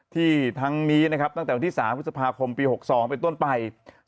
ทั้งนี้นะครับตั้งแต่วันที่๓พฤษภาคมปี๖๒เป็นต้นไป